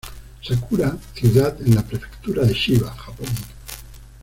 Sakura, ciudad en la prefectura de Chiba, Japón.